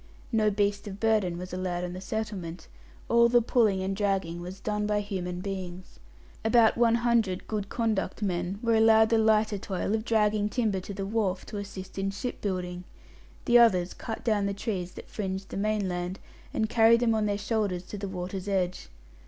No beast of burden was allowed on the settlement; all the pulling and dragging was done by human beings. About one hundred "good conduct" men were allowed the lighter toil of dragging timber to the wharf, to assist in shipbuilding; the others cut down the trees that fringed the mainland, and carried them on their shoulders to the water's edge.